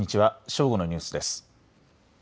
正午のニュースです。